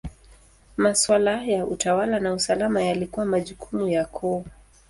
Maswala ya utawala na usalama yalikuwa majukumu ya koo.